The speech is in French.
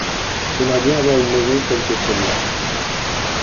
J’aimerais bien avoir une maison telle que celle-là.